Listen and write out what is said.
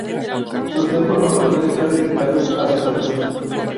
Su templo parroquial está dedicado a Santa Cruz.